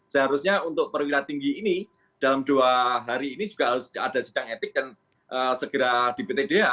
seharusnya untuk perwira tinggi ini dalam dua hari ini juga harus ada sidang etik dan segera di ptdh